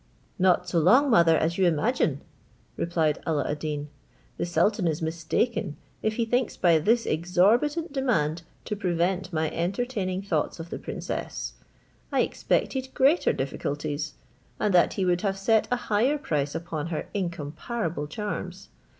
"Not so long, mother, as you imagine," replied Alla ad Deen: "the sultan is mistaken, if he thinks by this exorbitant demand to prevent my entertaining thoughts of the princess. I expected greater difficulties, and that he would have set a higher price upon her incomparable charms.